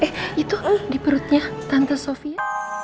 eh itu di perutnya tante sofia